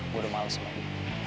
gua udah males lagi